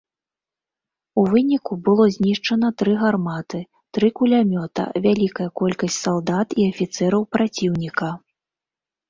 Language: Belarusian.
У выніку было знішчана тры гарматы, тры кулямёта, вялікая колькасць салдат і афіцэраў праціўніка.